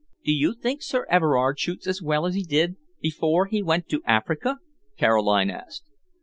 "Do you think Sir Everard shoots as well as he did before he went to Africa?" Caroline asked.